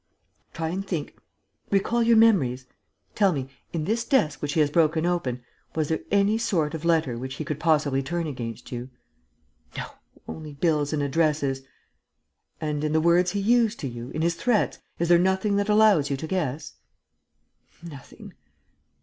"Try and think.... Recall your memories.... Tell me, in this desk which he has broken open, was there any sort of letter which he could possibly turn against you?" "No ... only bills and addresses...." "And, in the words he used to you, in his threats, is there nothing that allows you to guess?" "Nothing."